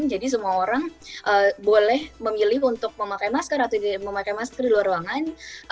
jadi semua orang boleh memilih untuk memakai masker atau memakai masker di luar ruangan